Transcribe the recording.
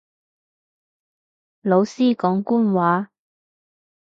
老師講官話